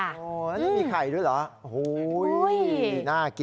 อันนี้มีไข่ด้วยเหรอโห้ยน่ากินมากเลย